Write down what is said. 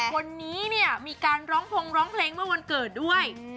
คนนี้เนี่ยมีการร้องพงษ์ร้องเพลงเมื่อวันเกิดด้วย